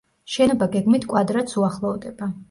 შენობა გეგმით კვადრატს უახლოვდება.